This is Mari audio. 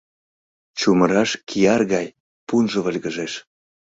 Чумыраш, кияр гай, пунжо выльгыжеш.